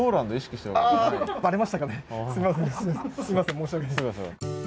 申し訳ない。